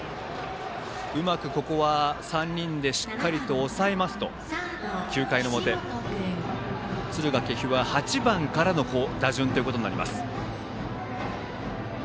うまくここは３人でしっかり抑えますと９回の表、敦賀気比は８番からの打順となります。